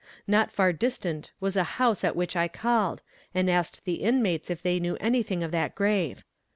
Not far distant was a house at which I called, and asked the inmates if they knew anything of that grave.